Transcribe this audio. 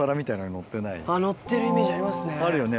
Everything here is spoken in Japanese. のってるイメージありますね。